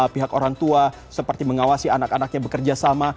pihak orang tua seperti mengawasi anak anaknya bekerja sama